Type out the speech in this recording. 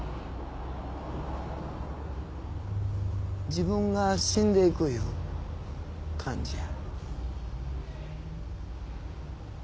自分が死んでいくゆう感じや。